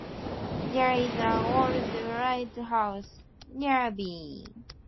There is an old lighthouse nearby.